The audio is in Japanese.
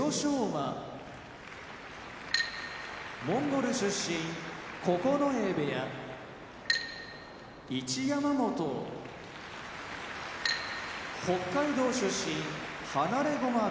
馬モンゴル出身九重部屋一山本北海道出身放駒部屋